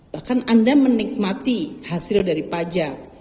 bahkan anda menikmati hasil dari pajak